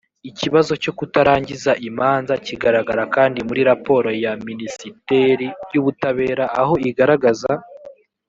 ikibazo cyo kutarangiza imanza kigaragara kandi muri raporo ya minisiteri y ubutabera aho igaragaza